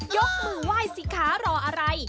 ยกมือไหว้สิคะรออะไร